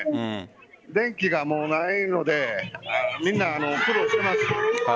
電気がないのでみんな苦労しています。